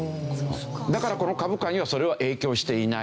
だからこの株価にはそれは影響していない。